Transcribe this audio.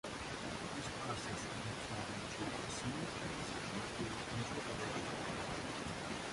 These processes most often achieve a smooth transition through interpolation.